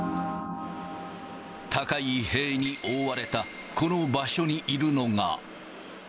高い塀に覆われたこの場所にいるのが。